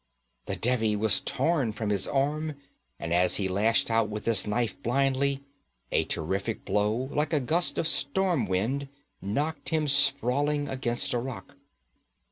The Devi was torn from his arm, and as he lashed out with his knife blindly, a terrific blow like a gust of storm wind knocked him sprawling against a rock.